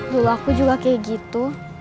dulu aku juga kayak gitu